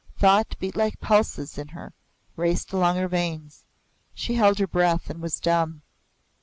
Thought beat like pulses in her raced along her veins. She held her breath and was dumb.